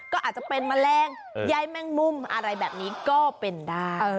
ก็อาจจะเป็นแมลงใยแม่งมุมอะไรแบบนี้ก็เป็นได้